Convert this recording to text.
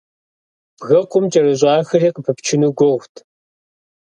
Бгыкъум кӀэрыщӀахэри къыпыпчыну гугъут.